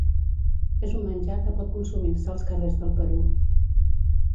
És un menjar que pot consumir-se als carrers del Perú.